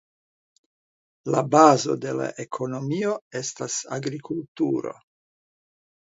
La bazo de la ekonomio estas agrikulturo.